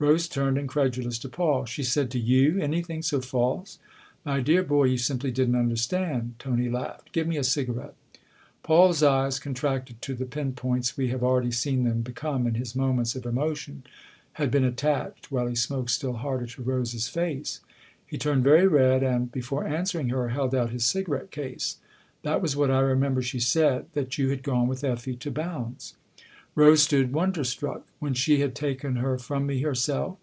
Rose turned, incredulous, to Paul. " She said to you anything so false ?"" My dear boy, you simply didn't understand 1 " Tony laughed. " Give me a cigarette." Paul's eyes, contracted to the pin points we have already seen them become in his moments of emotion, had been attached, while he smoked still harder, to Rose's face. He turned very red and, before answering her, held out his cigarette case. " That was what I remember she said that you had gone with Effie to Bounds." Rose stood wonderstruck. " When she had taken her from me herself